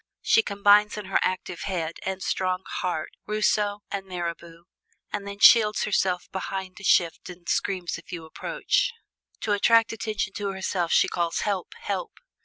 She combines in her active head and strong heart Rousseau and Mirabeau; and then shields herself behind a shift and screams if you approach. To attract attention to herself she calls, 'Help, help!'"